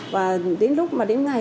và đến lúc mà đến ngày